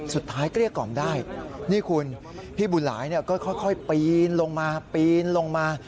สุดท้ายเกลี้ยกอมได้นี่คุณพี่บุหรายเนี่ยก็ค่อยปีนลงมาปีนลงมา